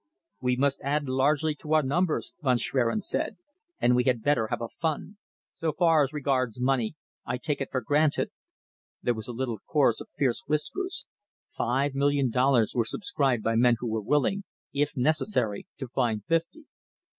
"We must add largely to our numbers," Von Schwerin said, "and we had better have a fund. So far as regards money, I take it for granted " There was a little chorus of fierce whispers. Five million dollars were subscribed by men who were willing, if necessary, to find fifty.